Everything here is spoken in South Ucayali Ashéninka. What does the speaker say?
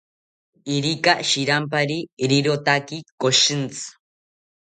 Irika shirampari rirotaki koshintzi